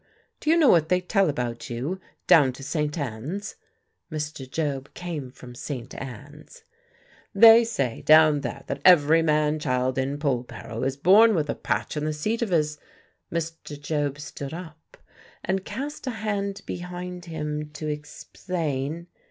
Do you know what they tell about you, down to St. Ann's?" Mr. Job came from St. Ann's "They say, down there, that every man child in Polperro is born with a patch in the seat of his " Mr. Job stood up and cast a hand behind him, to explain.